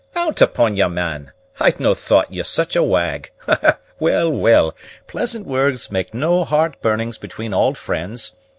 "Out upon ye, man! I'd no' thought ye such a wag. Well, well; pleasant words make no heart burnings between auld fri'nds.